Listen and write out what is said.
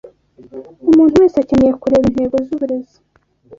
Umuntu wese akeneye kureba intego zuburezi